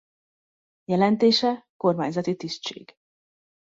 Jelentése kormányzati tisztség.